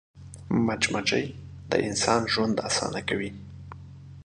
مچمچۍ د انسان ژوند اسانه کوي